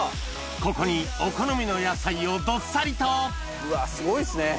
ここにお好みの野菜をどっさりとうわすごいっすね。